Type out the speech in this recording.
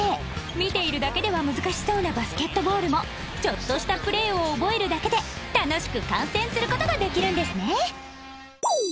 見ているだけでは難しそうなバスケットボールもちょっとしたプレーを覚えるだけで楽しく観戦する事ができるんですね！